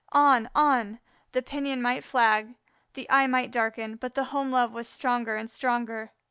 On, on the pinion might flag, the eye might darken, but the home love was stronger and stronger.